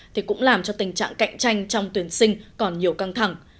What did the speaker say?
thì cũng làm cho tình trạng cạnh tranh trong tuyển sinh còn nhiều căng thẳng